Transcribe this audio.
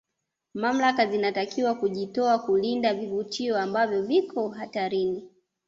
mamlaka zinatakiwa kuujitoa kulinda vivutio ambavyo viko hatarini